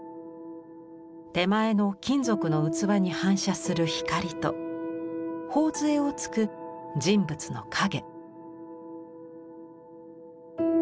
手前の金属の器に反射する光と頬づえをつく人物の影。